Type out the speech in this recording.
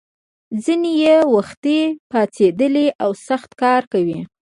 ځینې یې وختي پاڅېدلي او سخت کار کوي.